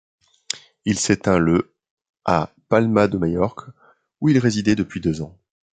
Il s'éteint le à Palma de Majorque où il résidait depuis deux ans.